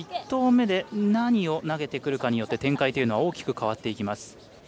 １投目で何を投げてくるかによって展開は大きく変わってきます。